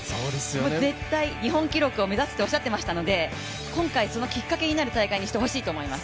もう絶対、日本記録を目指すっておっしゃっていましたので今回、そのきっかけになる大会にしてほしいと思います。